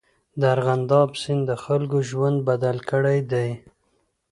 د ارغنداب سیند د خلکو ژوند بدل کړی دی.